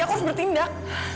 aku harus bertindak